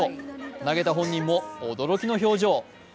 投げた本人も驚きの表情。